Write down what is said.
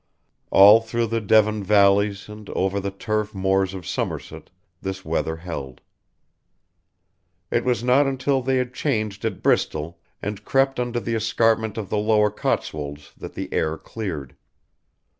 All through the Devon valleys and over the turf moors of Somerset this weather held. It was not until they had changed at Bristol and crept under the escarpment of the lower Cotswolds that the air cleared.